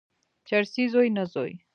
چرسي زوی، نه زوی.